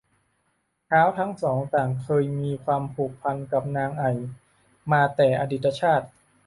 ท้าวทั้งสองต่างเคยมีความผูกพันกับนางไอ่มาแต่อดีตชาติ